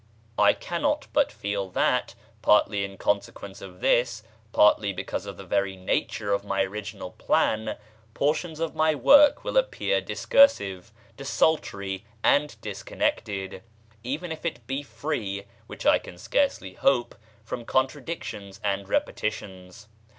I cannot but feel that, partly in consequence of this, partly because of the very nature of my original plan, portions of my work will appear discursive, desultory, and disconnected, even if it be free (which I can scarcely hope) from contradictions and repetitions.